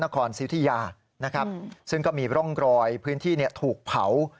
ก็มีร่องรอยพื้นที่ถูกเผา